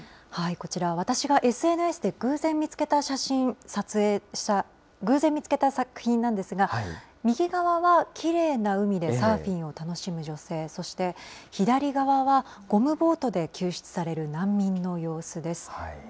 こちらはわたくしがＳＮＳで偶然見つけた写真、偶然見つけた作品なんですが、右側はきれいな海でサーフィンを楽しむ女性、そして左側は、ゴムボートで救出される難民の様子です。